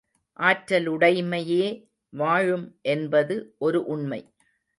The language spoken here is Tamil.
ஆற்றலுடைமையே வாழும் என்பது ஒரு உண்மை.